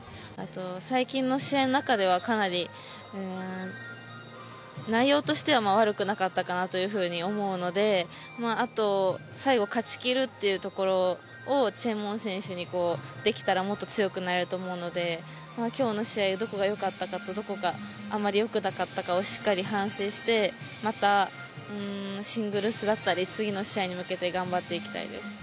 最近の試合の中ではかなり内容としては悪くなかったかなと思うのであと、最後勝ちきるというところをできたら強くなると思うので、今日どこが良かったかどこが余り良くなかったかをしっかり反省して、またシングルスだったり次の試合に向けて頑張っていきたいです。